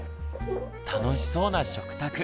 楽しそうな食卓。